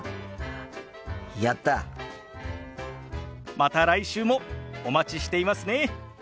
また来週もお待ちしていますね。